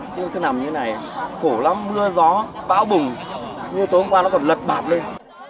chứ cứ nằm như này khổ lắm mưa gió bão bùng như tối hôm qua nó còn lật bạp lên